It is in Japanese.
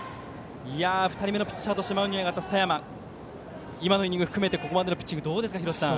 ２人目のピッチャーとしてマウンドに上がった佐山ですが今のイニングを含めてここまでのピッチングはどうですか？